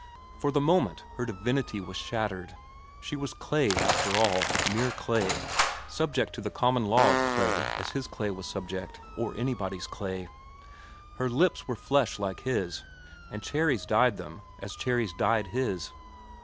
For the moment her divinity was shattered. She was clay, after all, mere clay, subject to the common law of clay as his clay was subject, or anybody's clay. Her lips were flesh like his, and cherries dyed them as cherries dyed his.